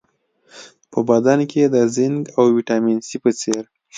په بدن کې د زېنک او ویټامین سي په څېر